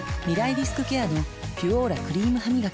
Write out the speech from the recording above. リスクケアの「ピュオーラ」クリームハミガキ